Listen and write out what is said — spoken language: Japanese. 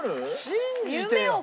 信じてよ！